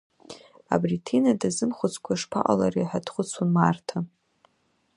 Абри Ҭина дазымхәыцкәа шԥаҟалари ҳәа дхәыцуан Марҭа.